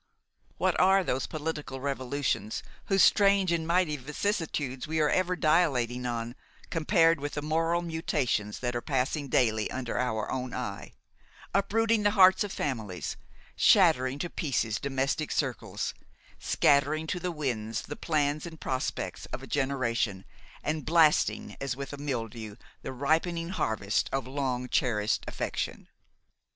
What are those political revolutions, whose strange and mighty vicissitudes we are ever dilating on, compared with the moral mutations that are passing daily under our own eye; uprooting the hearts of families, shattering to pieces domestic circles, scattering to the winds the plans and prospects of a generation, and blasting as with a mildew the ripening harvest of long cherished affection!